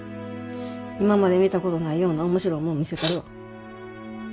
今まで見たことないような面白いもん見せたるわ。